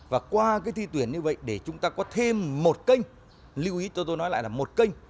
và qua cái thi tuyển như vậy để chúng ta có thêm một kênh lưu ý tôi tôi nói lại là một kênh